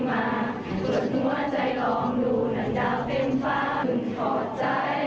มองตะวันรับขอบฟ้ามันรับตาและขอใจ